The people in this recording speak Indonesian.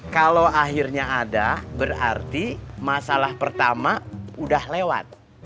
kalau akhirnya ada berarti masalah pertama udah lewat